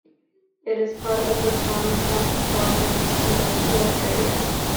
It is part of the Kon Tum province industrial area.